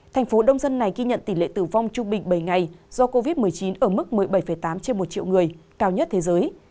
thành phố đông dân này ghi nhận tỷ lệ tử vong trung bình bảy ngày do covid một mươi chín ở mức một mươi bảy tám trên một triệu người cao nhất thế giới